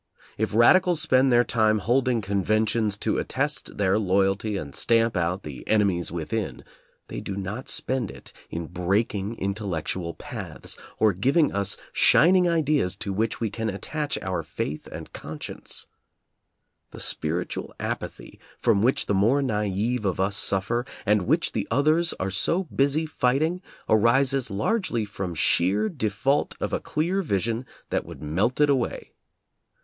If radicals spend their time holding conventions to attest their loyalty and stamp out the "enemies within," they do not spend it in breaking intellec tual paths, or giving us shining ideas to which we can attach our faith and conscience. The spir itual apathy from which the more naive of us suf fer, and which the others are so busy fighting, arises largely from sheer default of a clear vision that would melt it away.